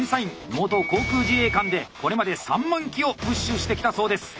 元航空自衛官でこれまで３万機をプッシュしてきたそうです。